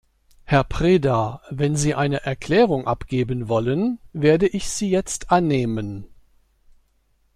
Herr Preda, wenn Sie eine Erklärung abgeben wollen, werde ich sie jetzt annehmen.